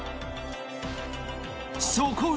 ［そこへ］